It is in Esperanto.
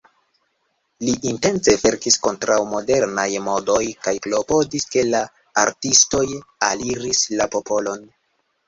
Li intence verkis kontraŭ modernaj modoj kaj klopodis ke la artistoj aliris la popolon.